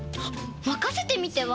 まかせてみては？